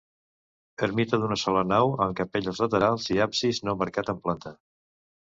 Ermita d'una sola nau amb capelles laterals i absis no marcat en planta.